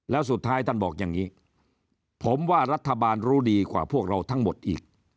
แล้วสุดท้ายท่านบอกอย่างนี้ผมว่ารัฐบาลรู้ดีกว่าพวกเราทั้งหมดอีก